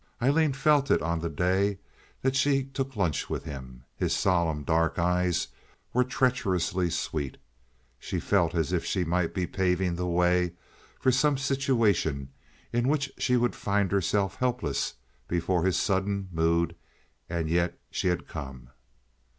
Aileen felt it on the day that she took lunch with him. His solemn, dark eyes were treacherously sweet. She felt as if she might be paving the way for some situation in which she would find herself helpless before his sudden mood—and yet she had come.